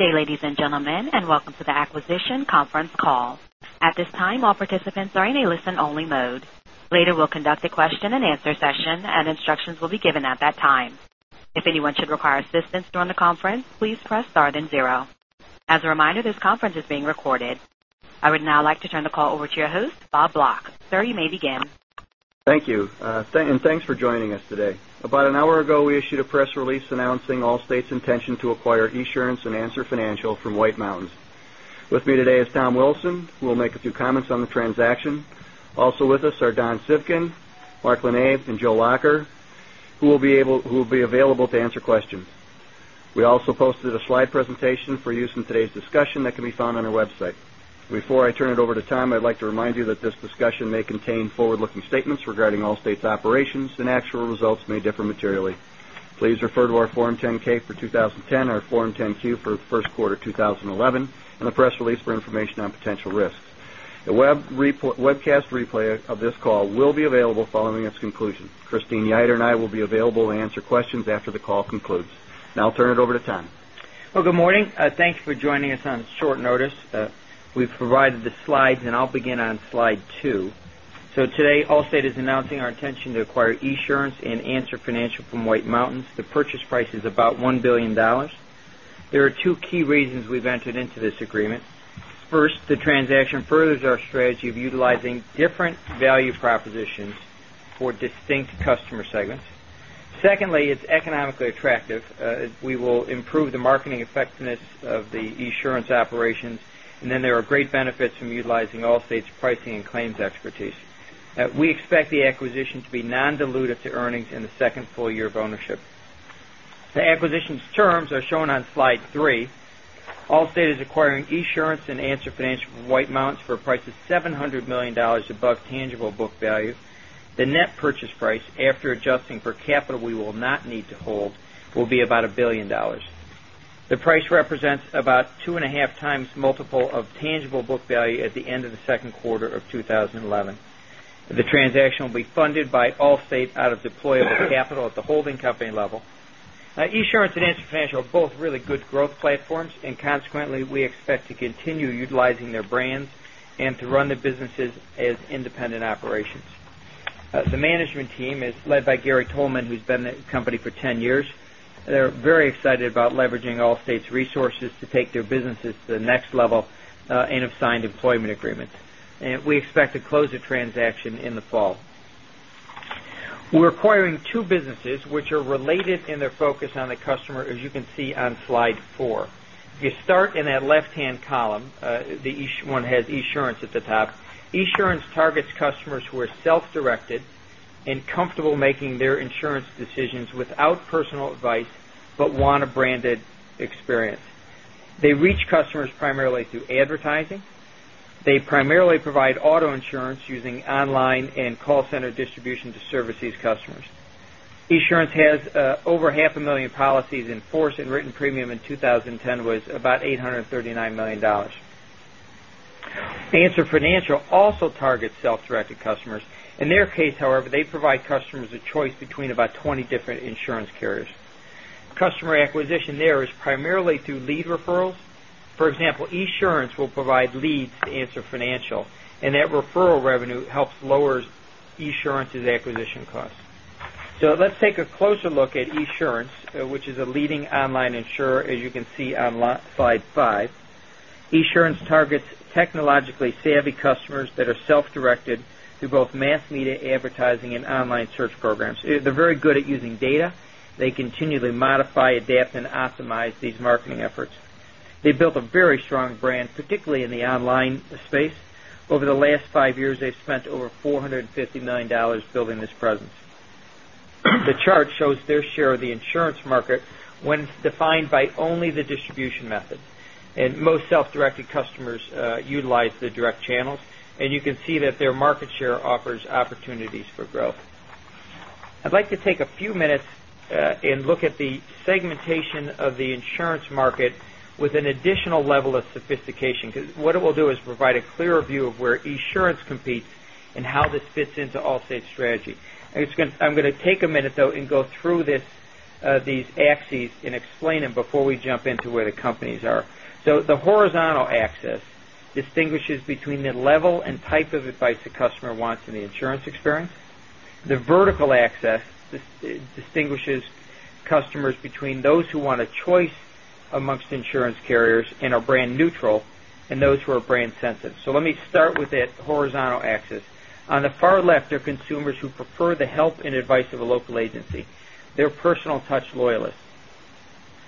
Good day, ladies and gentlemen, welcome to the acquisition conference call. At this time, all participants are in a listen-only mode. Later, we'll conduct a question-and-answer session, and instructions will be given at that time. If anyone should require assistance during the conference, please press star then 0. As a reminder, this conference is being recorded. I would now like to turn the call over to your host, Robert Block. Sir, you may begin. Thank you. Thanks for joining us today. About an hour ago, we issued a press release announcing Allstate's intention to acquire Esurance and Answer Financial from White Mountains. With me today is Tom Wilson, who will make a few comments on the transaction. Also with us are Don Civgin, Mario Rizzo, and Joe Lacher, who will be available to answer questions. We also posted a slide presentation for use in today's discussion that can be found on our website. Before I turn it over to Tom, I'd like to remind you that this discussion may contain forward-looking statements regarding Allstate's operations and actual results may differ materially. Please refer to our Form 10-K for 2010, our Form 10-Q for first quarter 2011, and the press release for information on potential risks. A webcast replay of this call will be available following its conclusion. Christine Yiter and I will be available to answer questions after the call concludes. I'll turn it over to Tom. Good morning. Thanks for joining us on short notice. We've provided the slides, I'll begin on slide two. Today, Allstate is announcing our intention to acquire Esurance and Answer Financial from White Mountains. The purchase price is about $1 billion. There are two key reasons we've entered into this agreement. First, the transaction furthers our strategy of utilizing different value propositions for distinct customer segments. Secondly, it's economically attractive. We will improve the marketing effectiveness of the Esurance operations, there are great benefits from utilizing Allstate's pricing and claims expertise. We expect the acquisition to be non-dilutive to earnings in the second full year of ownership. The acquisition's terms are shown on slide three. Allstate is acquiring Esurance and Answer Financial from White Mountains for a price of $700 million above tangible book value. The net purchase price, after adjusting for capital we will not need to hold, will be about $1 billion. The price represents about 2.5 times multiple of tangible book value at the end of the second quarter of 2011. The transaction will be funded by Allstate out of deployable capital at the holding company level. Consequently, we expect to continue utilizing their brands and to run the businesses as independent operations. The management team is led by Gary Tolman, who's been with the company for 10 years. They're very excited about leveraging Allstate's resources to take their businesses to the next level, and have signed employment agreements. We expect to close the transaction in the fall. We're acquiring two businesses which are related in their focus on the customer, as you can see on slide four. If you start in that left-hand column, one has Esurance at the top. Esurance targets customers who are self-directed and comfortable making their insurance decisions without personal advice, but want a branded experience. They reach customers primarily through advertising. They primarily provide auto insurance using online and call center distribution to service these customers. Esurance has over 500,000 policies in force, and written premium in 2010 was about $839 million. Answer Financial also targets self-directed customers. In their case, however, they provide customers a choice between about 20 different insurance carriers. Customer acquisition there is primarily through lead referrals. For example, Esurance will provide leads to Answer Financial. That referral revenue helps lower Esurance's acquisition costs. Let's take a closer look at Esurance, which is a leading online insurer, as you can see on slide five. Esurance targets technologically savvy customers that are self-directed through both mass media advertising and online search programs. They're very good at using data. They continually modify, adapt, and optimize these marketing efforts. They built a very strong brand, particularly in the online space. Over the last five years, they've spent over $450 million building this presence. The chart shows their share of the insurance market when it's defined by only the distribution method. Most self-directed customers utilize the direct channels. You can see that their market share offers opportunities for growth. I'd like to take a few minutes and look at the segmentation of the insurance market with an additional level of sophistication. What it will do is provide a clearer view of where Esurance competes and how this fits into Allstate's strategy. I'm going to take a minute, though, and go through these axes and explain them before we jump into where the companies are. The horizontal axis distinguishes between the level and type of advice a customer wants in the insurance experience. The vertical axis distinguishes customers between those who want a choice amongst insurance carriers and are brand neutral, and those who are brand sensitive. Let me start with that horizontal axis. On the far left are consumers who prefer the help and advice of a local agency. They're personal touch loyalists.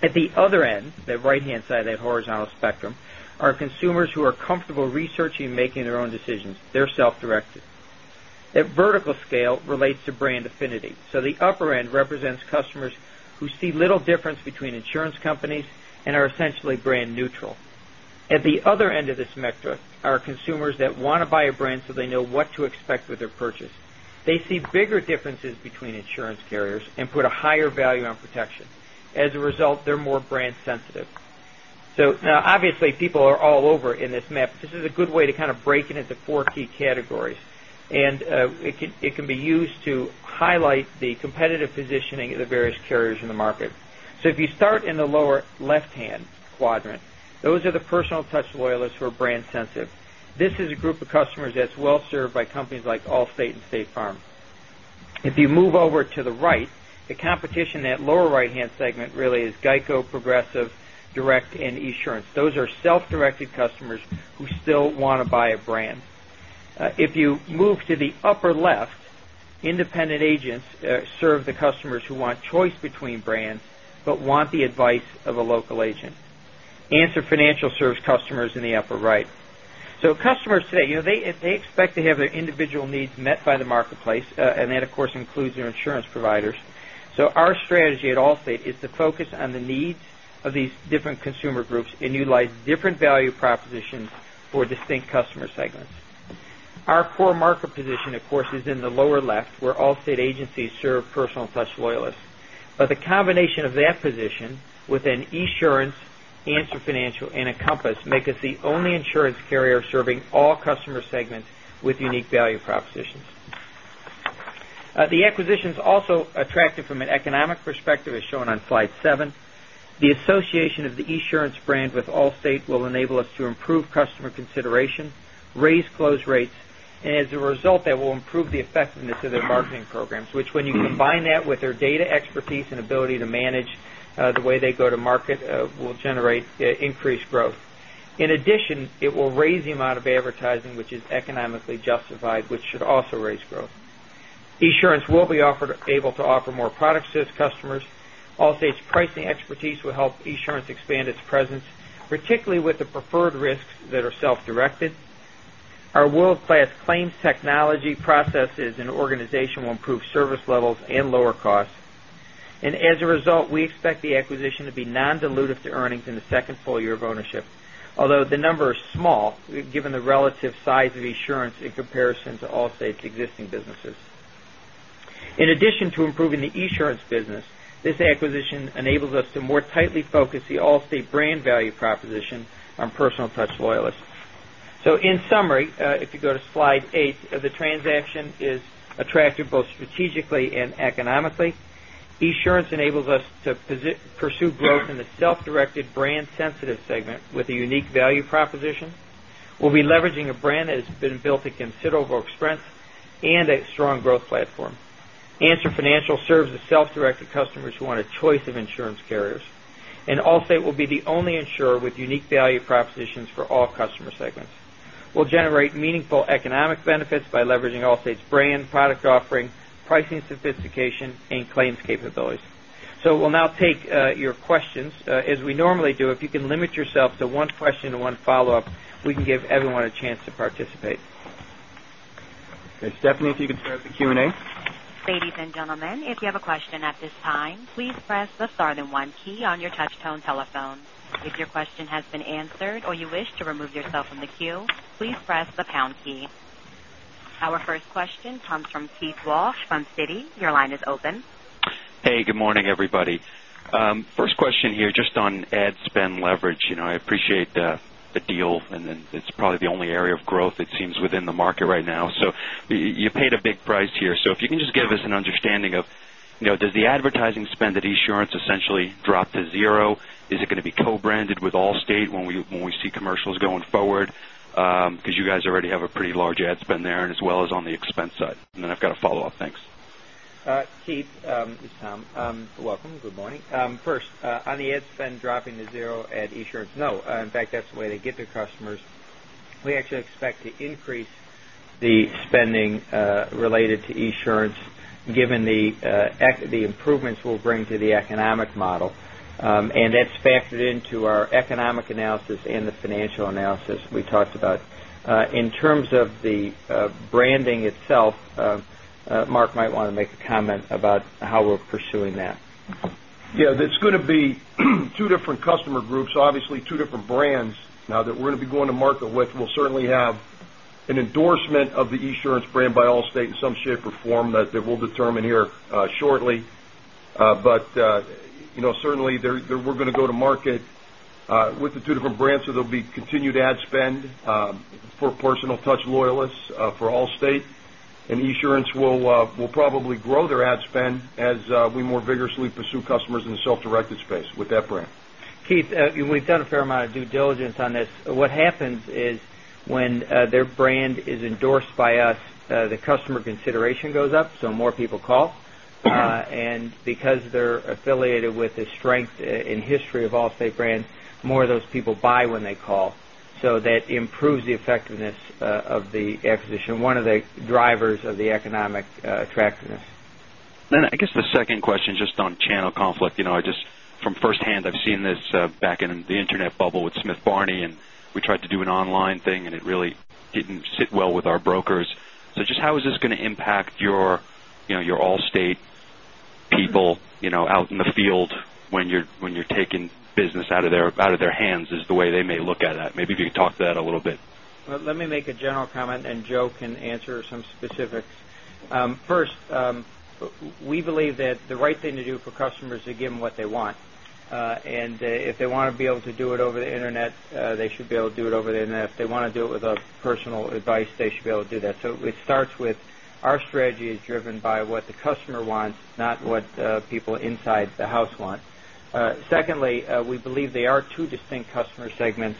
At the other end, the right-hand side of that horizontal spectrum, are consumers who are comfortable researching and making their own decisions. They're self-directed. That vertical scale relates to brand affinity. The upper end represents customers who see little difference between insurance companies and are essentially brand neutral. At the other end of the spectrum are consumers that want to buy a brand so they know what to expect with their purchase. They see bigger differences between insurance carriers and put a higher value on protection. As a result, they're more brand sensitive. Obviously, people are all over in this map. This is a good way to kind of break it into four key categories. It can be used to highlight the competitive positioning of the various carriers in the market. If you start in the lower left-hand quadrant, those are the personal touch loyalists who are brand sensitive. This is a group of customers that's well-served by companies like Allstate and State Farm. If you move over to the right, the competition in that lower right-hand segment really is GEICO, Progressive, Direct Auto Insurance, and Esurance. Those are self-directed customers who still want to buy a brand. If you move to the upper left, independent agents serve the customers who want choice between brands but want the advice of a local agent. Answer Financial serves customers in the upper right. Customers today, they expect to have their individual needs met by the marketplace, and that of course includes their insurance providers. Our strategy at Allstate is to focus on the needs of these different consumer groups and utilize different value propositions for distinct customer segments. Our core market position, of course, is in the lower left, where Allstate agencies serve personal touch loyalists. The combination of that position with an Esurance, Answer Financial, and Encompass make us the only insurance carrier serving all customer segments with unique value propositions. The acquisition is also attractive from an economic perspective, as shown on slide seven. The association of the Esurance brand with Allstate will enable us to improve customer consideration, raise close rates, and as a result, that will improve the effectiveness of their marketing programs, which when you combine that with their data expertise and ability to manage the way they go to market will generate increased growth. In addition, it will raise the amount of advertising which is economically justified, which should also raise growth. Esurance will be able to offer more products to its customers. Allstate's pricing expertise will help Esurance expand its presence, particularly with the preferred risks that are self-directed. Our world-class claims technology, processes, and organization will improve service levels and lower costs. As a result, we expect the acquisition to be non-dilutive to earnings in the second full year of ownership. Although the number is small, given the relative size of Esurance in comparison to Allstate's existing businesses. In addition to improving the Esurance business, this acquisition enables us to more tightly focus the Allstate brand value proposition on personal touch loyalists. In summary, if you go to slide eight, the transaction is attractive both strategically and economically. Esurance enables us to pursue growth in the self-directed brand sensitive segment with a unique value proposition. We'll be leveraging a brand that has been built to considerable strength and a strong growth platform. Answer Financial serves the self-directed customers who want a choice of insurance carriers. Allstate will be the only insurer with unique value propositions for all customer segments. We'll generate meaningful economic benefits by leveraging Allstate's brand, product offering, pricing sophistication, and claims capabilities. We'll now take your questions. As we normally do, if you can limit yourself to one question and one follow-up, we can give everyone a chance to participate. Stephanie, if you could start the Q&A? Ladies and gentlemen, if you have a question at this time, please press the star then one key on your touch tone telephone. If your question has been answered or you wish to remove yourself from the queue, please press the pound key. Our first question comes from Keith Walsh from Citi. Your line is open. Hey, good morning, everybody. First question here, just on ad spend leverage. I appreciate the deal, and it's probably the only area of growth it seems within the market right now. You paid a big price here. If you can just give us an understanding of does the advertising spend at Esurance essentially drop to zero? Is it going to be co-branded with Allstate when we see commercials going forward? Because you guys already have a pretty large ad spend there and as well as on the expense side. Then I've got a follow-up. Thanks. Keith, it's Tom. Welcome. Good morning. First, on the ad spend dropping to zero at Esurance, no. In fact, that's the way they get their customers. We actually expect to increase the spending related to Esurance given the improvements we'll bring to the economic model, and that's factored into our economic analysis and the financial analysis we talked about. In terms of the branding itself, Mario might want to make a comment about how we're pursuing that. Yeah, it's going to be two different customer groups, obviously two different brands now that we're going to be going to market with. We'll certainly have an endorsement of the Esurance brand by Allstate in some shape or form that we'll determine here shortly. Certainly, we're going to go to market with the two different brands, there'll be continued ad spend for personal touch loyalists for Allstate, and Esurance will probably grow their ad spend as we more vigorously pursue customers in the self-directed space with that brand. Keith, we've done a fair amount of due diligence on this. What happens is when their brand is endorsed by us, the customer consideration goes up, more people call. Because they're affiliated with the strength and history of Allstate brand, more of those people buy when they call. That improves the effectiveness of the acquisition, one of the drivers of the economic attractiveness. I guess the second question, just on channel conflict. From firsthand, I've seen this back in the internet bubble with Smith Barney, We tried to do an online thing, and It really didn't sit well with our brokers. Just how is this going to impact your Allstate people out in the field when you're taking business out of their hands, is the way they may look at it. Maybe if you could talk to that a little bit. Let me make a general comment, and Joe can answer some specifics. First, we believe that the right thing to do for customers is give them what they want. If they want to be able to do it over the internet, they should be able to do it over the internet. If they want to do it with personal advice, they should be able to do that. It starts with our strategy is driven by what the customer wants, not what people inside the house want. Secondly, we believe they are two distinct customer segments,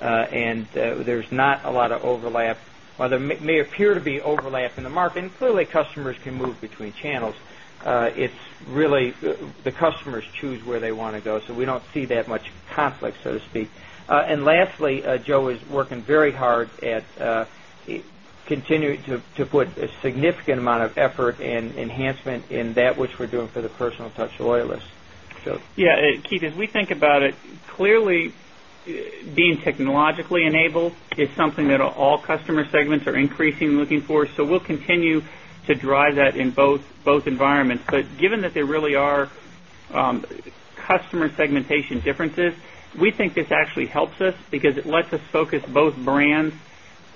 and There's not a lot of overlap. While there may appear to be overlap in the market, Clearly customers can move between channels, it's really the customers choose where they want to go, We don't see that much conflict, so to speak. lastly, Joe is working very hard at continuing to put a significant amount of effort and enhancement in that which we're doing for the Personal Touch loyalists. Joe? Yeah, Keith, as we think about it, clearly being technologically enabled is something that all customer segments are increasingly looking for. We'll continue to drive that in both environments. Given that there really are customer segmentation differences, we think this actually helps us because it lets us focus both brands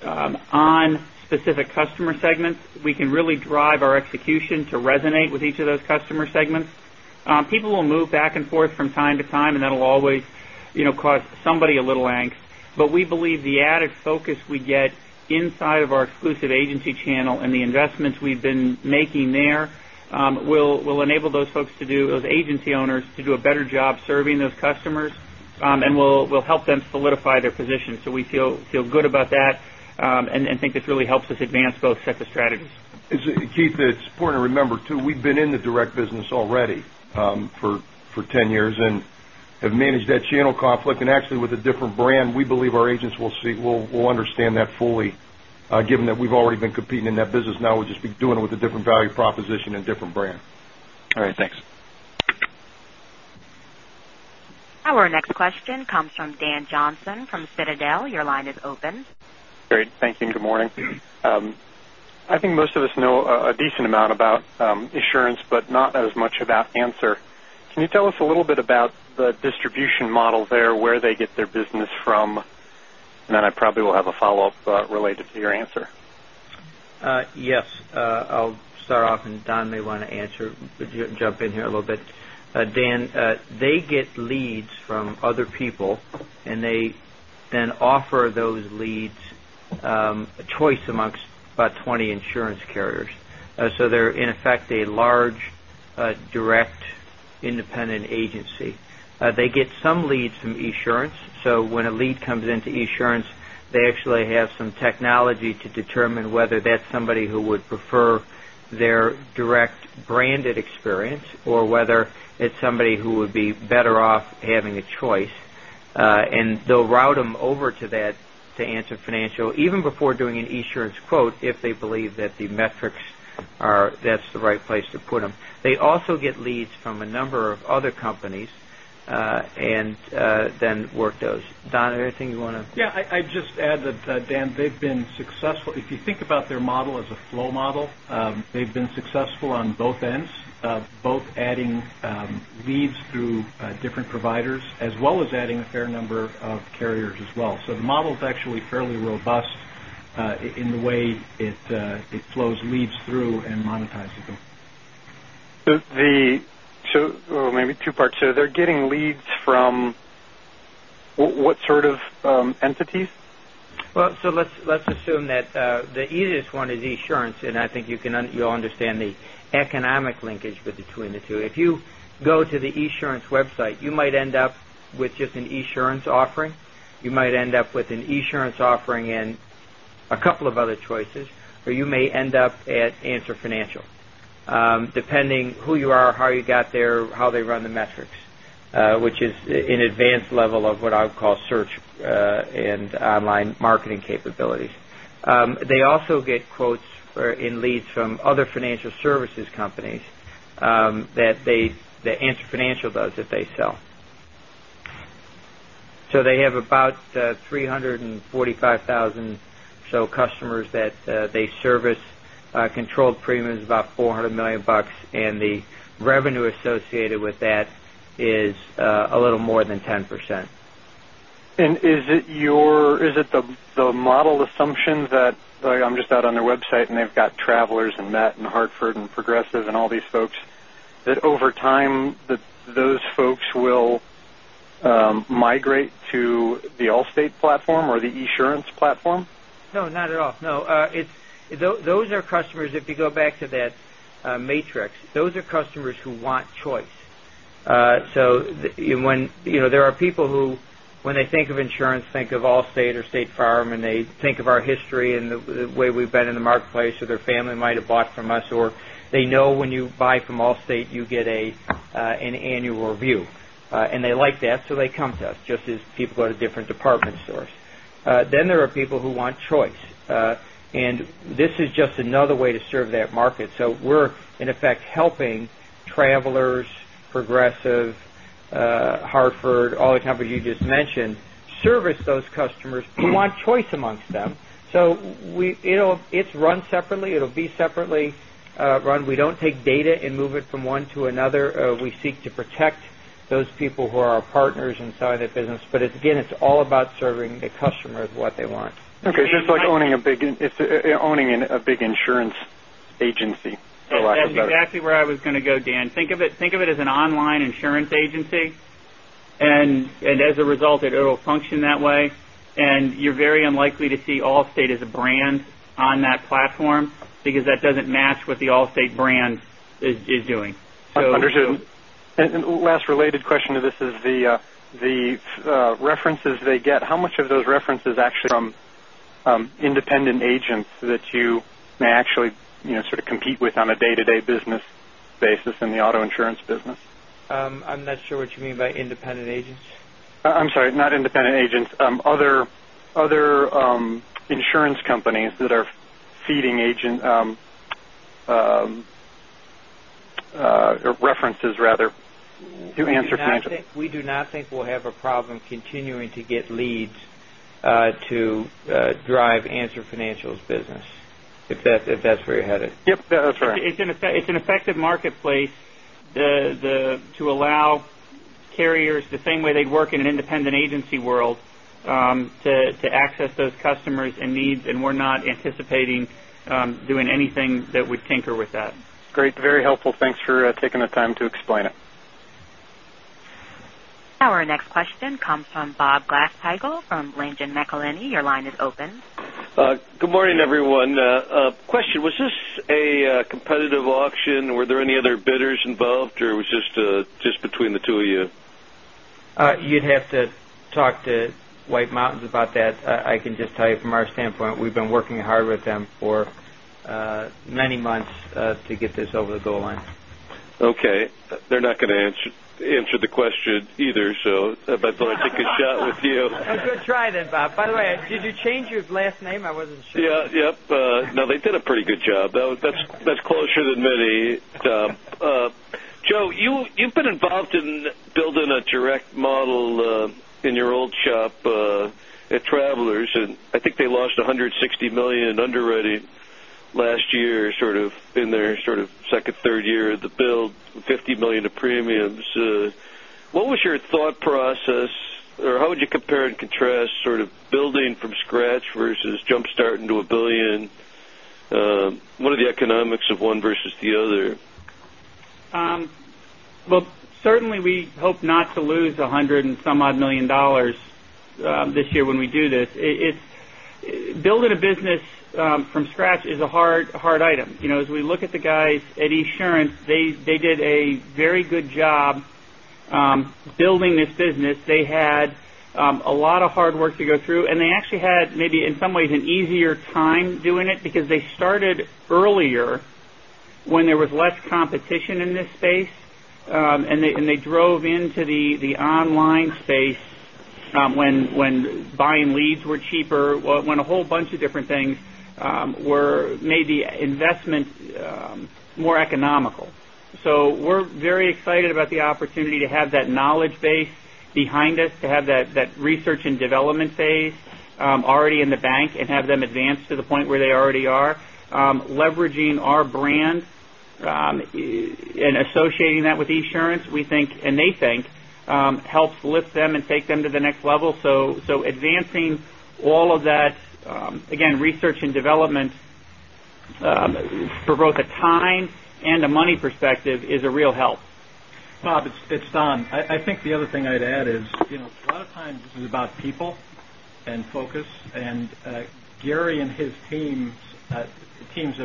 on specific customer segments. We can really drive our execution to resonate with each of those customer segments. People will move back and forth from time to time, and that'll always cause somebody a little angst. We believe the added focus we get inside of our exclusive agency channel and the investments we've been making there will enable those agency owners to do a better job serving those customers, and will help them solidify their position. We feel good about that and think this really helps us advance both sets of strategies. Keith, it's important to remember too, we've been in the direct business already for 10 years and have managed that channel conflict and actually with a different brand. We believe our agents will understand that fully, given that we've already been competing in that business. Now we'll just be doing it with a different value proposition and different brand. All right, thanks. Our next question comes from Dan Johnson from Citadel. Your line is open. Great. Thank you. Good morning. I think most of us know a decent amount about Esurance, but not as much about Answer. Can you tell us a little bit about the distribution model there, where they get their business from? Then I probably will have a follow-up related to your answer. Yes. I'll start off, Don may want to answer, jump in here a little bit. Dan, they get leads from other people, they then offer those leads choice amongst about 20 insurance carriers. They're in effect a large, direct independent agency. They get some leads from Esurance. When a lead comes into Esurance, they actually have some technology to determine whether that's somebody who would prefer their direct branded experience or whether it's somebody who would be better off having a choice. They'll route them over to Answer Financial even before doing an Esurance quote if they believe that the metrics are, that's the right place to put them. They also get leads from a number of other companies, then work those. Don, anything you want to? Yeah, I'd just add that, Dan, they've been successful. If you think about their model as a flow model, they've been successful on both ends, both adding leads through different providers as well as adding a fair number of carriers as well. The model is actually fairly robust in the way it flows leads through and monetizes them. maybe two parts. They're getting leads from what sort of entities? Let's assume that the easiest one is Esurance, and I think you'll understand the economic linkage between the two. If you go to the esurance website, you might end up with just an Esurance offering. You might end up with an Esurance offering and a couple of other choices, or you may end up at Answer Financial, depending who you are, how you got there, how they run the metrics, which is an advanced level of what I would call search and online marketing capabilities. They also get quotes in leads from other financial services companies that Answer Financial does that they sell. They have about 345,000 or so customers that they service, controlled premium is about $400 million, and the revenue associated with that is a little more than 10%. Is it the model assumption that, I'm just out on their website, and they've got Travelers and MetLife and The Hartford and Progressive and all these folks, that over time those folks will migrate to the Allstate platform or the Esurance platform? No, not at all. No. Those are customers, if you go back to that matrix, those are customers who want choice. There are people who, when they think of insurance, think of Allstate or State Farm, and they think of our history and the way we've been in the marketplace, or their family might have bought from us, or they know when you buy from Allstate you get an annual review. They like that, so they come to us, just as people go to different department stores. There are people who want choice. This is just another way to serve that market. We're, in effect, helping Travelers, Progressive, The Hartford, all the companies you just mentioned, service those customers who want choice amongst them. It's run separately. It'll be separately run. We don't take data and move it from one to another. We seek to protect Those people who are our partners inside the business. Again, it's all about serving the customers what they want. Okay. It's like owning a big insurance agency. That's exactly where I was going to go, Dan. Think of it as an online insurance agency. As a result, it'll function that way. You're very unlikely to see Allstate as a brand on that platform because that doesn't match what the Allstate brand is doing. Understood. Last related question to this is the references they get. How much of those references actually come from independent agents that you may actually sort of compete with on a day-to-day business basis in the auto insurance business? I'm not sure what you mean by independent agents. I'm sorry, not independent agents. Other insurance companies that are feeding references to Answer Financial. We do not think we'll have a problem continuing to get leads to drive Answer Financial's business, if that's where you're headed. Yep. That's right. It's an effective marketplace to allow carriers, the same way they'd work in an independent agency world, to access those customers and needs. We're not anticipating doing anything that would tinker with that. Great. Very helpful. Thanks for taking the time to explain it. Our next question comes from Bob Glasspiegel from Janney Montgomery Scott. Your line is open. Good morning, everyone. Question, was this a competitive auction? Were there any other bidders involved, or it was just between the two of you? You'd have to talk to White Mountains about that. I can just tell you from our standpoint, we've been working hard with them for many months, to get this over the goal line. Okay. They're not going to answer the question either. I thought I'd take a shot with you. A good try then, Bob. By the way, did you change your last name? I wasn't sure. Yep. No, they did a pretty good job. That's closer than many. Joe, you've been involved in building a direct model in your old shop, at Travelers. I think they lost $160 million in underwriting last year in their sort of second, third year of the build, $50 million of premiums. What was your thought process, or how would you compare and contrast sort of building from scratch versus jump-starting to $1 billion? What are the economics of one versus the other? Well, certainly, we hope not to lose $100 and some odd million dollars this year when we do this. Building a business from scratch is a hard item. As we look at the guys at Esurance, they did a very good job building this business. They had a lot of hard work to go through, and they actually had, maybe in some ways, an easier time doing it because they started earlier when there was less competition in this space. They drove into the online space when buying leads were cheaper, when a whole bunch of different things made the investment more economical. We're very excited about the opportunity to have that knowledge base behind us, to have that research and development phase already in the bank and have them advance to the point where they already are. Leveraging our brand and associating that with Esurance, we think, and they think, helps lift them and take them to the next level. Advancing all of that, again, research and development, for both a time and a money perspective, is a real help. Bob, it's Don. I think the other thing I'd add is, a lot of times this is about people and focus. Gary and his teams at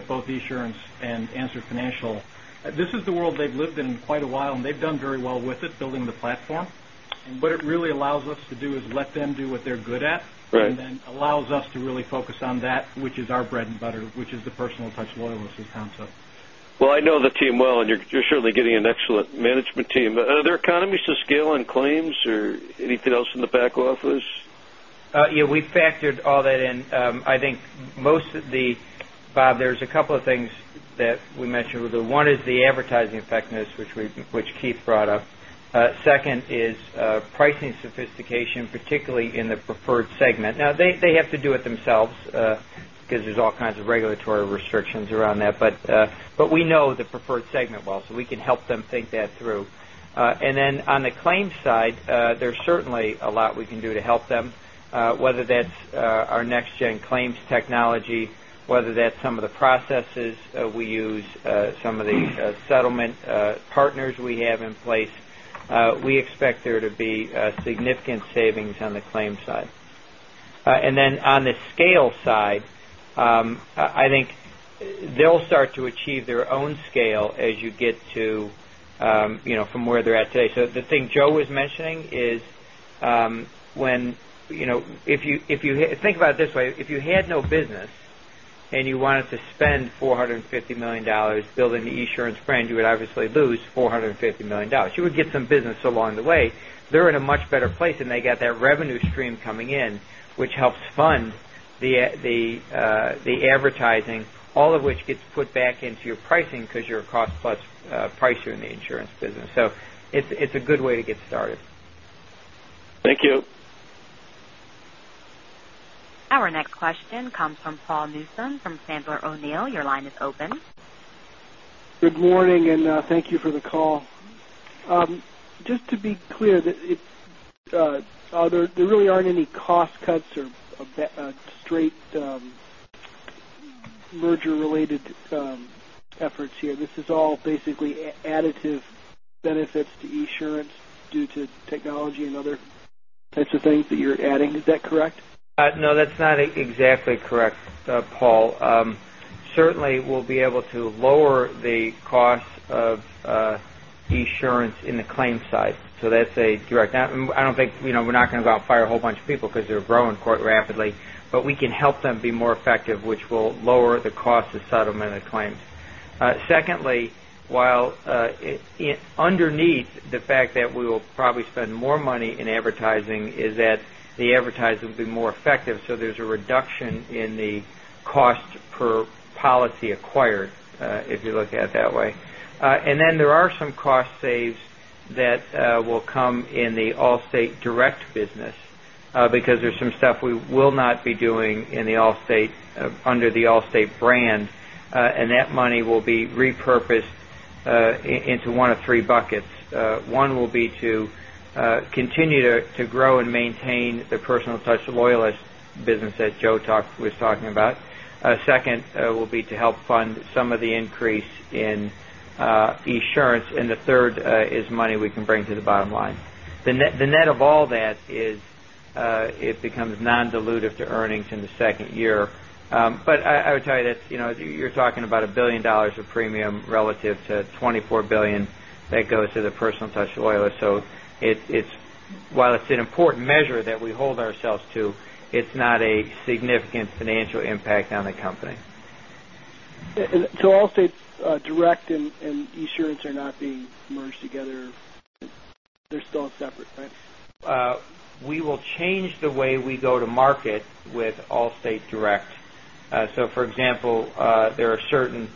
both Esurance and Answer Financial, this is the world they've lived in quite a while, and they've done very well with it, building the platform. What it really allows us to do is let them do what they're good at. Right. Allows us to really focus on that which is our bread and butter, which is the personal touch loyalty concept. Well, I know the team well, and you're surely getting an excellent management team. Are there economies to scale on claims or anything else in the back office? We factored all that in. Bob, there's a couple of things that we mentioned. One is the advertising effectiveness, which Keith brought up. Second is pricing sophistication, particularly in the preferred segment. Now, they have to do it themselves, because there's all kinds of regulatory restrictions around that. We know the preferred segment well, so we can help them think that through. On the claims side, there's certainly a lot we can do to help them. Whether that's our next-gen claims technology, whether that's some of the processes we use, some of the settlement partners we have in place, we expect there to be significant savings on the claims side. On the scale side, I think they'll start to achieve their own scale as you get to from where they're at today. The thing Joe was mentioning is, think about it this way. If you had no business and you wanted to spend $450 million building the Esurance brand, you would obviously lose $450 million. You would get some business along the way. They're in a much better place, and they got that revenue stream coming in, which helps fund the advertising, all of which gets put back into your pricing because you're a cost-plus pricer in the insurance business. It's a good way to get started. Thank you. Our next question comes from Paul Newsome from Sandler O'Neill. Your line is open. Good morning, and thank you for the call. Just to be clear, there really aren't any cost cuts or straight merger-related efforts here. This is all basically additive benefits to Esurance due to technology and other types of things that you're adding. Is that correct? No, that's not exactly correct, Paul. Certainly, we'll be able to lower the cost of Esurance in the claims side. That's a direct. I don't think we're not going to go out and fire a whole bunch of people because they're growing quite rapidly, but we can help them be more effective, which will lower the cost of settlement of claims. Secondly, while underneath the fact that we will probably spend more money in advertising is that the advertising will be more effective. There's a reduction in the cost per policy acquired, if you look at it that way. There are some cost saves that will come in the Allstate Direct business because there's some stuff we will not be doing under the Allstate brand, and that money will be repurposed into one of three buckets. One will be to continue to grow and maintain the personal touch loyalist business that Joe was talking about. Second, will be to help fund some of the increase in Esurance, and the third is money we can bring to the bottom line. The net of all that is it becomes non-dilutive to earnings in the second year. I would tell you that you're talking about $1 billion of premium relative to $24 billion that goes to the personal touch loyalist. While it's an important measure that we hold ourselves to, it's not a significant financial impact on the company. Allstate Direct and Esurance are not being merged together. They're still separate, right? We will change the way we go to market with Allstate Direct. For example, there are certain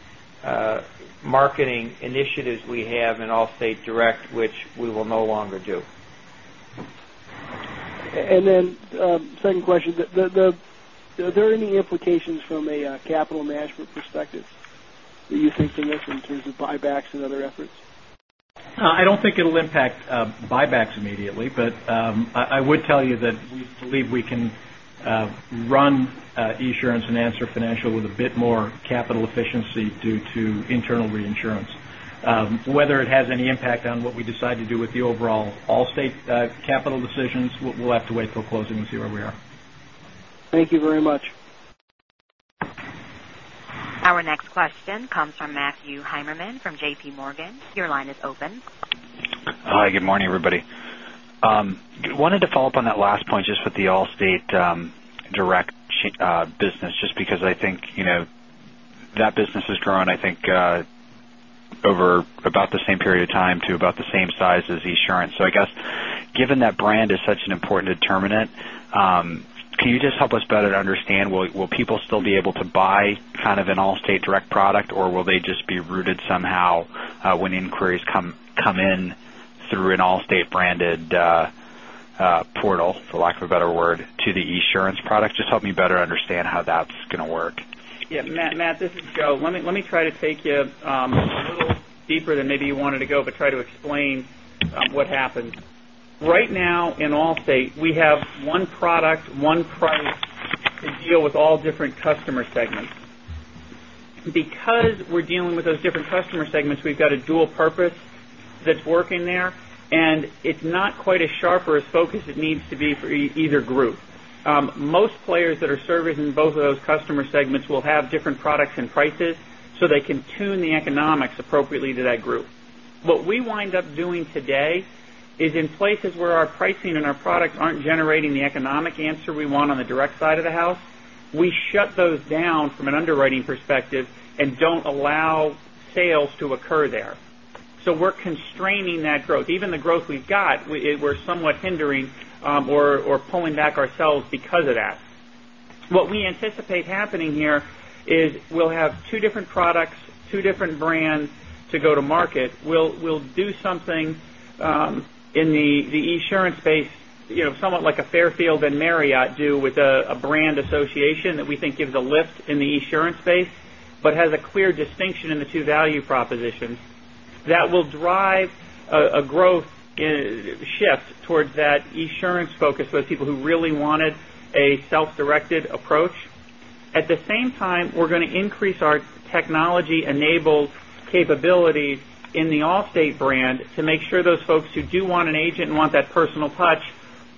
marketing initiatives we have in Allstate Direct which we will no longer do. Second question, are there any implications from a capital management perspective that you think to this in terms of buybacks and other efforts? I don't think it'll impact buybacks immediately, but I would tell you that we believe we can run Esurance and Answer Financial with a bit more capital efficiency due to internal reinsurance. Whether it has any impact on what we decide to do with the overall Allstate capital decisions, we'll have to wait till closing and see where we are. Thank you very much. Our next question comes from Matthew Heimermann from JPMorgan. Your line is open. Hi, good morning, everybody. Wanted to follow up on that last point just with the Allstate Direct business, just because I think that business has grown, I think, over about the same period of time to about the same size as Esurance. I guess given that brand is such an important determinant, can you just help us better understand, will people still be able to buy kind of an Allstate Direct product, or will they just be routed somehow when inquiries come in through an Allstate branded portal, for lack of a better word, to the Esurance product? Just help me better understand how that's going to work. Yeah, Matt, this is Joe. Let me try to take you a little deeper than maybe you wanted to go, but try to explain what happens. Right now in Allstate, we have one product, one price to deal with all different customer segments. Because we're dealing with those different customer segments, we've got a dual purpose that's working there, and it's not quite as sharp or as focused it needs to be for either group. Most players that are servicing both of those customer segments will have different products and prices so they can tune the economics appropriately to that group. What we wind up doing today is in places where our pricing and our products aren't generating the economic answer we want on the direct side of the house, we shut those down from an underwriting perspective and don't allow sales to occur there. We're constraining that growth. Even the growth we've got, we're somewhat hindering or pulling back ourselves because of that. What we anticipate happening here is we'll have two different products, two different brands to go to market. We'll do something in the Esurance space, somewhat like a Fairfield and Marriott do with a brand association that we think gives a lift in the Esurance space, but has a clear distinction in the two value propositions that will drive a growth shift towards that Esurance focus, those people who really wanted a self-directed approach. At the same time, we're going to increase our technology-enabled capabilities in the Allstate brand to make sure those folks who do want an agent and want that personal touch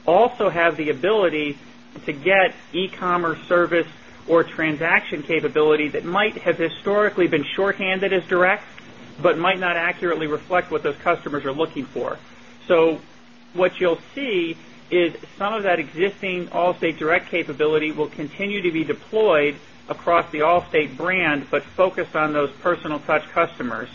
also have the ability to get e-commerce service or transaction capability that might have historically been shorthanded as direct, but might not accurately reflect what those customers are looking for. What you'll see is some of that existing Allstate Direct capability will continue to be deployed across the Allstate brand, but focused on those personal touch customers.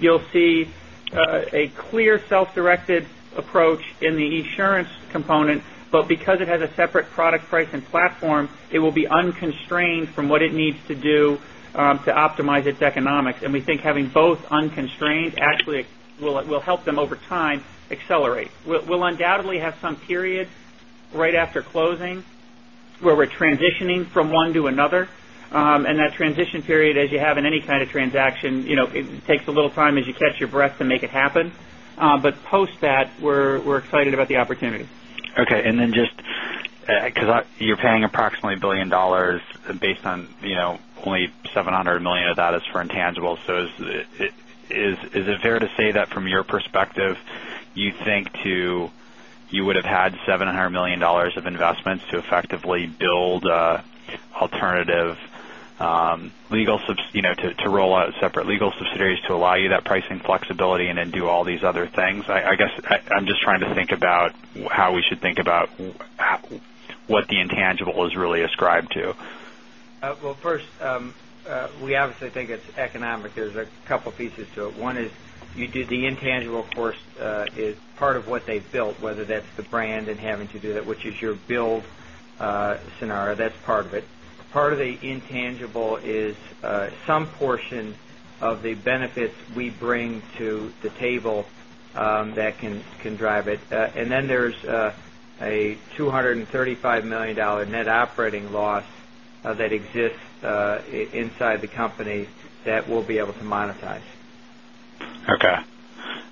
You'll see a clear self-directed approach in the Esurance component, but because it has a separate product price and platform, it will be unconstrained from what it needs to do to optimize its economics. We think having both unconstrained actually will help them over time accelerate. We'll undoubtedly have some periods right after closing Where we're transitioning from one to another. That transition period, as you have in any kind of transaction, it takes a little time as you catch your breath to make it happen. Post that, we're excited about the opportunity. Okay. Just because you're paying approximately $1 billion based on only $700 million of that is for intangibles. Is it fair to say that from your perspective, you think you would have had $700 million of investments to effectively build to roll out separate legal subsidiaries to allow you that pricing flexibility and then do all these other things? I guess I'm just trying to think about how we should think about what the intangible is really ascribed to. Well, first, we obviously think it's economic. There's a couple of pieces to it. One is you did the intangible, of course, is part of what they've built, whether that's the brand and having to do that, which is your build scenario. That's part of it. Part of the intangible is some portion of the benefits we bring to the table that can drive it. There's a $235 million net operating loss that exists inside the company that we'll be able to monetize. Okay.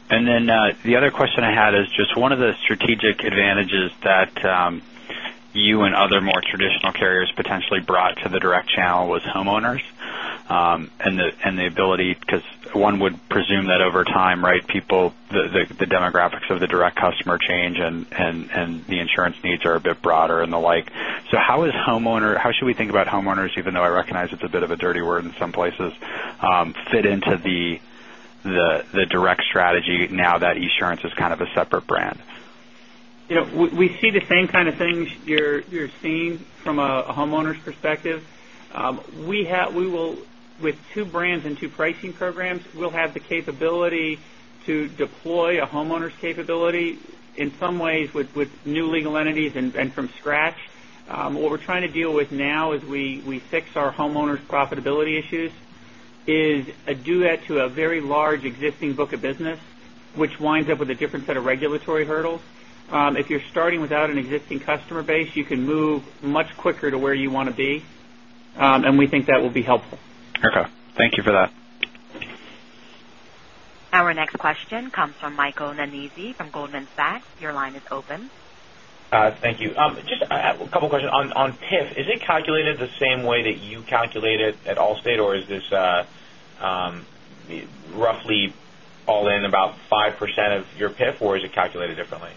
The other question I had is just one of the strategic advantages that you and other more traditional carriers potentially brought to the direct channel was homeowners, and the ability because one would presume that over time, right? People, the demographics of the direct customer change and the insurance needs are a bit broader and the like. How should we think about homeowners, even though I recognize it's a bit of a dirty word in some places, fit into the direct strategy now that Esurance is kind of a separate brand? We see the same kind of things you're seeing from a homeowner's perspective. With two brands and two pricing programs, we'll have the capability to deploy a homeowner's capability in some ways with new legal entities and from scratch. What we're trying to deal with now as we fix our homeowners' profitability issues is do that to a very large existing book of business, which winds up with a different set of regulatory hurdles. If you're starting without an existing customer base, you can move much quicker to where you want to be. We think that will be helpful. Okay. Thank you for that. Our next question comes from Michael Nannizzi from Goldman Sachs. Your line is open. Thank you. Just a couple of questions. On PIF, is it calculated the same way that you calculate it at Allstate, or is this roughly all in about 5% of your PIF, or is it calculated differently?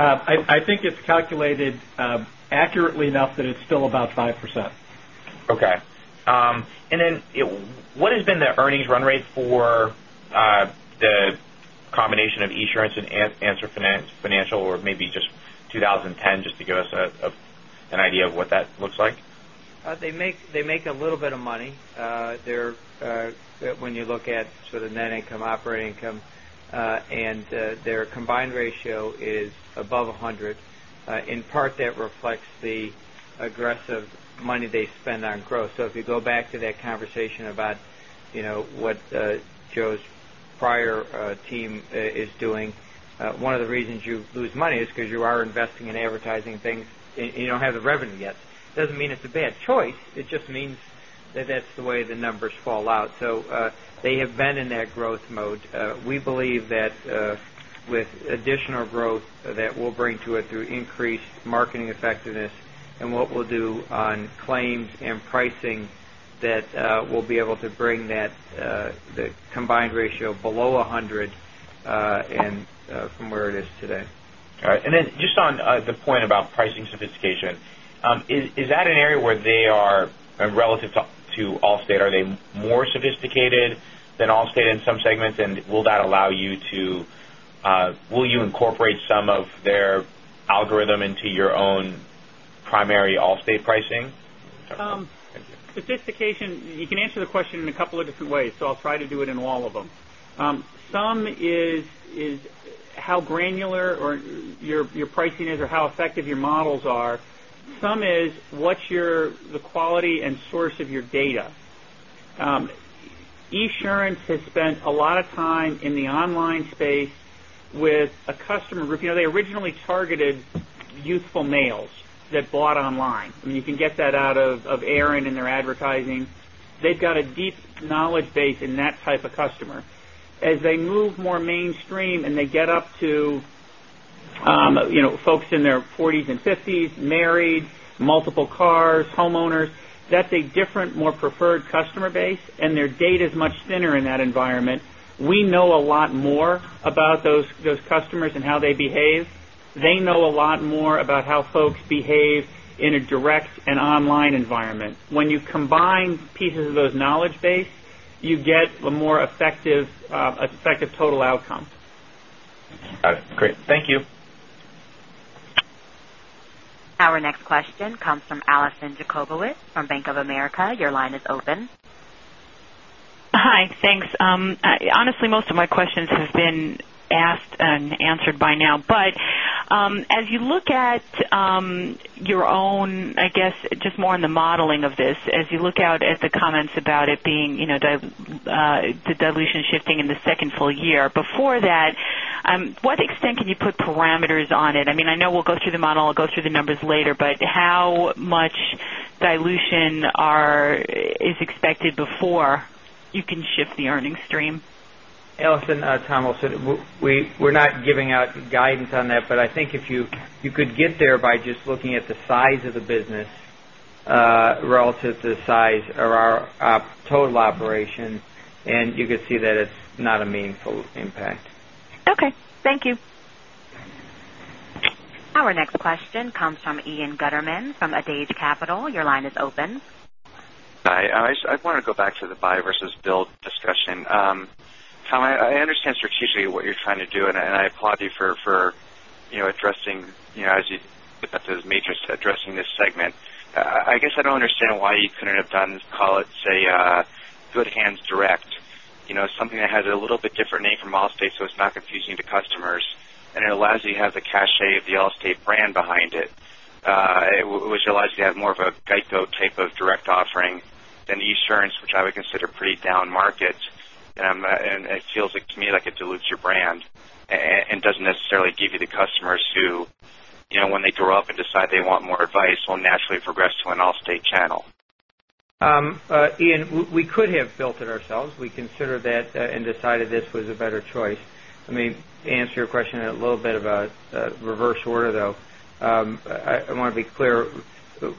I think it's calculated accurately enough that it's still about 5%. Okay. Then what has been the earnings run rate for the combination of Esurance and Answer Financial or maybe just 2010, just to give us an idea of what that looks like? They make a little bit of money. When you look at sort of net income, operating income, and their combined ratio is above 100. In part, that reflects the aggressive money they spend on growth. If you go back to that conversation about what Joe's prior team is doing, one of the reasons you lose money is because you are investing in advertising things and you don't have the revenue yet. It doesn't mean it's a bad choice. It just means that that's the way the numbers fall out. They have been in that growth mode. We believe that with additional growth that we'll bring to it through increased marketing effectiveness and what we'll do on claims and pricing, that we'll be able to bring that combined ratio below 100 from where it is today. All right. Then just on the point about pricing sophistication. Is that an area where they are relative to Allstate? Are they more sophisticated than Allstate in some segments? Will you incorporate some of their algorithm into your own primary Allstate pricing? Sophistication, you can answer the question in a couple of different ways, I'll try to do it in all of them. Some is how granular your pricing is or how effective your models are. Some is what's the quality and source of your data. Esurance has spent a lot of time in the online space with a customer group. They originally targeted youthful males that bought online. I mean, you can get that out of Erin and their advertising. They've got a deep knowledge base in that type of customer. As they move more mainstream and they get up to folks in their 40s and 50s, married, multiple cars, homeowners, that's a different, more preferred customer base, and their data is much thinner in that environment. We know a lot more about those customers and how they behave. They know a lot more about how folks behave in a direct and online environment. When you combine pieces of those knowledge base, you get a more effective total outcome. Got it. Great. Thank you. Our next question comes from Allison Jacobowitz from Bank of America. Your line is open. Hi. Thanks. Honestly, most of my questions have been asked and answered by now. As you look at your own, I guess, just more on the modeling of this, as you look out at the comments about it being the dilution shifting in the second full year. Before that, what extent can you put parameters on it? I mean, I know we'll go through the model, go through the numbers later, but how much dilution is expected before you can shift the earnings stream? Allison, Tom Wilson. We're not giving out guidance on that. I think you could get there by just looking at the size of the business relative to the size of our total operation. You could see that it's not a meaningful impact. Okay. Thank you. Our next question comes from Ian Gutterman from Adage Capital. Your line is open. Hi. I want to go back to the buy versus build discussion. Tom, I understand strategically what you're trying to do. I applaud you for addressing, as you put that to the matrix, addressing this segment. I guess I don't understand why you couldn't have done, call it, say, Good Hands Direct. Something that has a little bit different name from Allstate so it's not confusing to customers. It allows you to have the cachet of the Allstate brand behind it which allows you to have more of a GEICO type of direct offering than Esurance, which I would consider pretty down market. It feels to me like it dilutes your brand and doesn't necessarily give you the customers who, when they grow up and decide they want more advice, will naturally progress to an Allstate channel. Ian, we could have built it ourselves. We considered that and decided this was a better choice. Let me answer your question in a little bit of a reverse order, though. I want to be clear.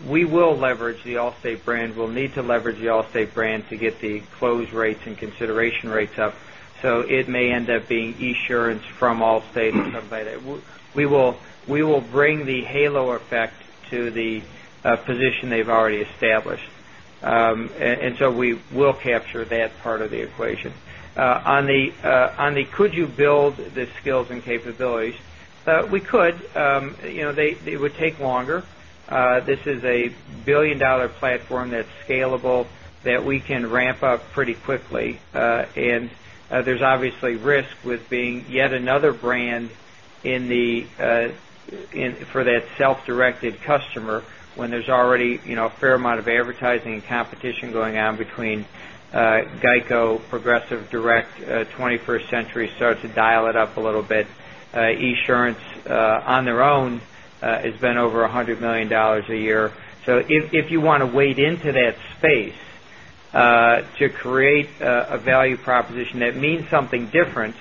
We will leverage the Allstate brand. We'll need to leverage the Allstate brand to get the close rates and consideration rates up. It may end up being Esurance from Allstate or something like that. We will bring the halo effect to the position they've already established. We will capture that part of the equation. On the could you build the skills and capabilities? We could. It would take longer. This is a billion-dollar platform that's scalable, that we can ramp up pretty quickly. There's obviously risk with being yet another brand for that self-directed customer when there's already a fair amount of advertising and competition going on between GEICO, Progressive, Direct, 21st Century Insurance started to dial it up a little bit. Esurance on their own has been over $100 million a year. If you want to wade into that space to create a value proposition that means something different,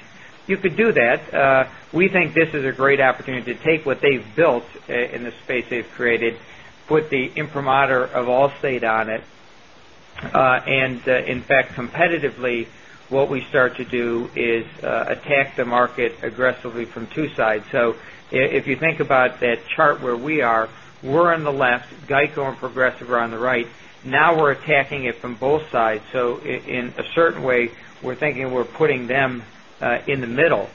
you could do that. We think this is a great opportunity to take what they've built in the space they've created, put the imprimatur of Allstate on it, and in fact, competitively, what we start to do is attack the market aggressively from two sides. If you think about that chart where we are, we're on the left, GEICO and Progressive are on the right. Now we're attacking it from both sides. In a certain way, we're thinking we're putting them in the middle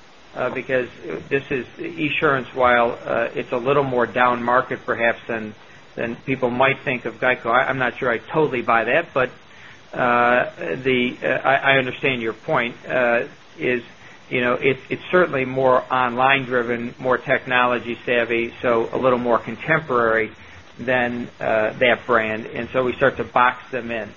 because Esurance, while it's a little more down market perhaps than people might think of GEICO, I'm not sure I totally buy that, but I understand your point, is it's certainly more online driven, more technology savvy, so a little more contemporary than that brand. We start to box them in.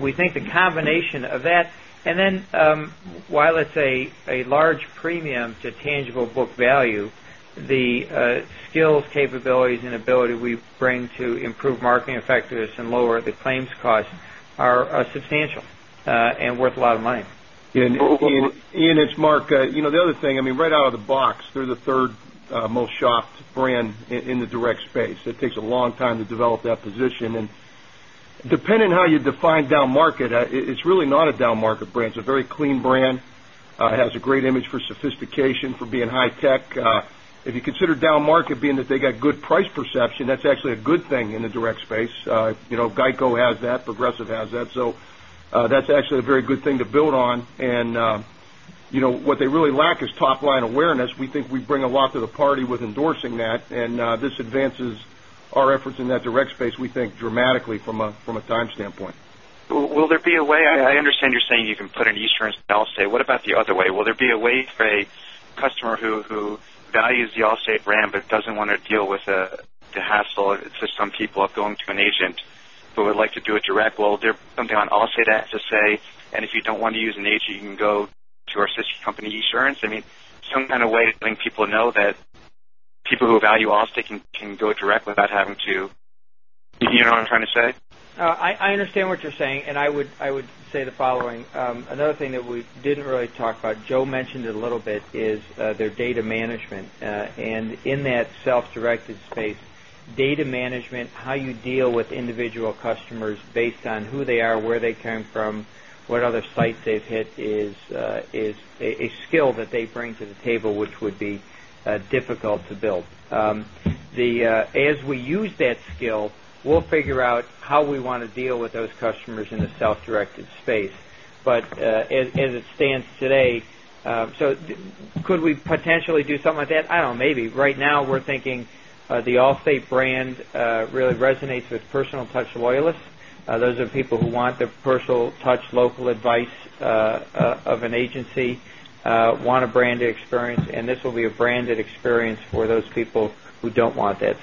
We think the combination of that, and then while it's a large premium to tangible book value, the skills, capabilities, and ability we bring to improve marketing effectiveness and lower the claims cost are substantial and worth a lot of money. Ian, it's Mario. The other thing, right out of the box, they're the third most shopped brand in the direct space. It takes a long time to develop that position. Depending on how you define down market, it's really not a down market brand. It's a very clean brand. It has a great image for sophistication, for being high tech. If you consider down market being that they got good price perception, that's actually a good thing in the direct space. GEICO has that, Progressive has that. That's actually a very good thing to build on. What they really lack is top-line awareness. We think we bring a lot to the party with endorsing that, and this advances our efforts in that direct space, we think, dramatically from a time standpoint. Will there be a way, I understand you're saying you can put an Esurance in Allstate. What about the other way? Will there be a way for a customer who values the Allstate brand but doesn't want to deal with the hassle for some people of going to an agent but would like to do it direct? Will there be something on Allstate that has to say, "If you don't want to use an agent, you can go to our sister company, Esurance?" Some kind of way to letting people know that people who value Allstate can go direct without having to. You know what I'm trying to say? I understand what you're saying. I would say the following. Another thing that we didn't really talk about, Joe mentioned it a little bit, is their data management. In that self-directed space, data management, how you deal with individual customers based on who they are, where they came from, what other sites they've hit is a skill that they bring to the table, which would be difficult to build. As we use that skill, we'll figure out how we want to deal with those customers in the self-directed space. As it stands today, could we potentially do something like that? I don't know. Maybe. Right now we're thinking the Allstate brand really resonates with personal touch loyalists. Those are people who want the personal touch, local advice of an agency, want a branded experience, and this will be a branded experience for those people who don't want that.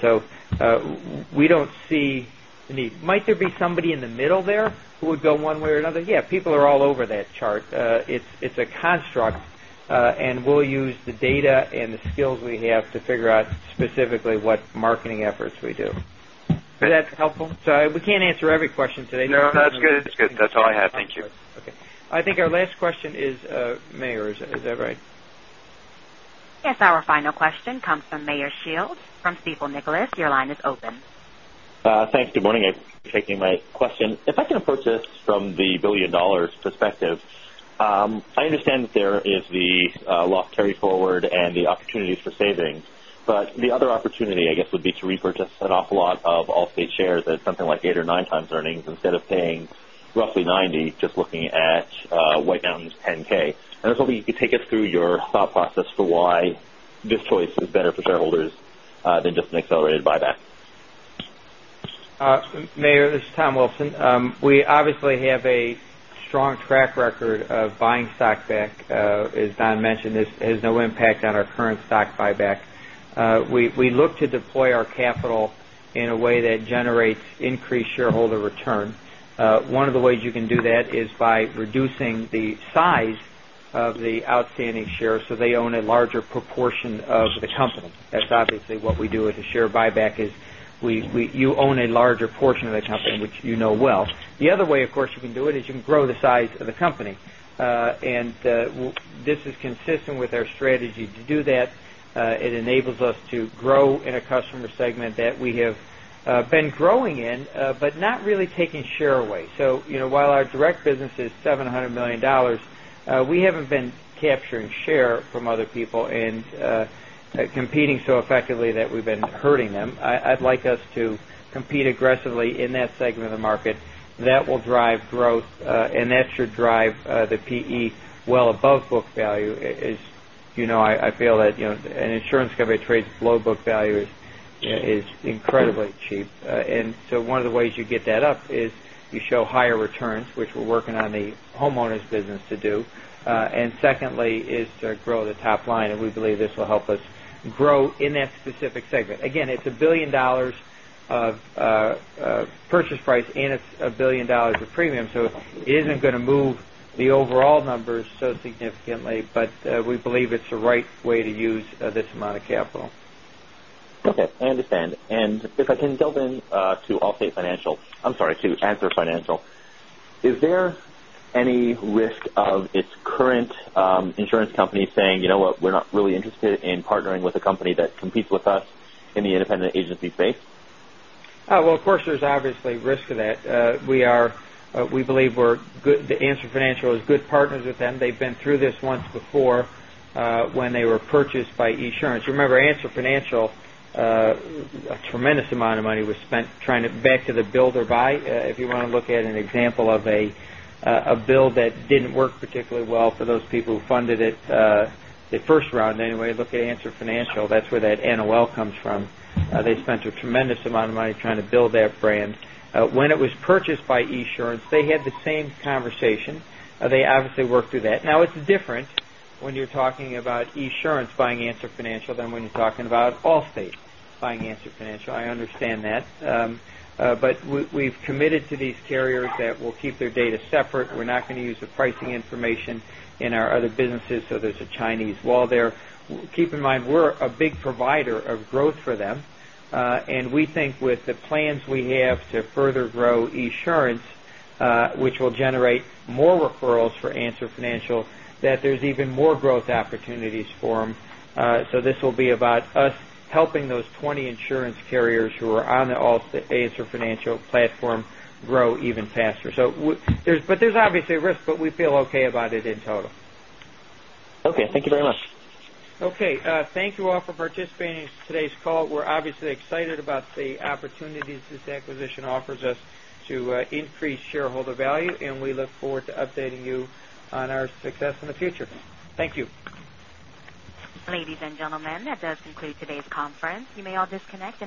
We don't see the need. Might there be somebody in the middle there who would go one way or another? Yeah, people are all over that chart. It's a construct. We'll use the data and the skills we have to figure out specifically what marketing efforts we do. Is that helpful? We can't answer every question today. No, that's good. That's all I had. Thank you. Okay. I think our last question is Meyer. Is that right? Yes. Our final question comes from Meyer Shields from Stifel Nicolaus. Your line is open. Thanks. Good morning. Thanks for taking my question. If I can approach this from the $1 billion perspective, I understand that there is the loss carryforward and the opportunities for savings, but the other opportunity, I guess, would be to repurchase an awful lot of Allstate shares at something like eight or nine times earnings instead of paying roughly $90, just looking at White Mountains 10-K. I was hoping you could take us through your thought process for why this choice is better for shareholders than just an accelerated buyback. Meyer, this is Tom Wilson. We obviously have a strong track record of buying stock back. As Don mentioned, this has no impact on our current stock buyback. We look to deploy our capital in a way that generates increased shareholder return. One of the ways you can do that is by reducing the size of the outstanding shares, so they own a larger proportion of the company. That's obviously what we do with a share buyback is you own a larger portion of the company, which you know well. The other way, of course, you can do it is you can grow the size of the company. This is consistent with our strategy to do that. It enables us to grow in a customer segment that we have been growing in but not really taking share away. While our direct business is $700 million, we haven't been capturing share from other people and competing so effectively that we've been hurting them. I'd like us to compete aggressively in that segment of the market. That will drive growth, that should drive the PE well above book value. As you know, I feel that an insurance company trades below book value is incredibly cheap. One of the ways you get that up is you show higher returns, which we're working on the homeowners business to do. Secondly, is to grow the top line, we believe this will help us grow in that specific segment. It's $1 billion of purchase price, and it's $1 billion of premium, so it isn't going to move the overall numbers so significantly. We believe it's the right way to use this amount of capital. Okay, I understand. If I can delve in to Allstate Financial, I'm sorry, to Answer Financial, is there any risk of its current insurance company saying, "You know what? We're not really interested in partnering with a company that competes with us in the independent agency space? Of course, there's obviously risk to that. We believe Answer Financial is good partners with them. They've been through this once before when they were purchased by Esurance. Remember, Answer Financial, a tremendous amount of money was spent trying to back to the build or buy. If you want to look at an example of a build that didn't work particularly well for those people who funded it, the first round anyway, look at Answer Financial. That's where that NOL comes from. They spent a tremendous amount of money trying to build that brand. When it was purchased by Esurance, they had the same conversation. They obviously worked through that. It's different when you're talking about Esurance buying Answer Financial than when you're talking about Allstate buying Answer Financial. I understand that. We've committed to these carriers that we'll keep their data separate. We're not going to use the pricing information in our other businesses, there's a Chinese wall there. Keep in mind, we're a big provider of growth for them, we think with the plans we have to further grow Esurance, which will generate more referrals for Answer Financial, that there's even more growth opportunities for them. This will be about us helping those 20 insurance carriers who are on the Answer Financial platform grow even faster. There's obviously risk, we feel okay about it in total. Okay. Thank you very much. Okay. Thank you all for participating in today's call. We're obviously excited about the opportunities this acquisition offers us to increase shareholder value, and we look forward to updating you on our success in the future. Thank you. Ladies and gentlemen, that does conclude today's conference. You may all disconnect.